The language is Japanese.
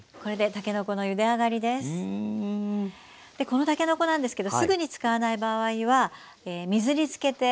このたけのこなんですけどすぐに使わない場合は水につけて。